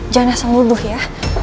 jangan asal luduh ya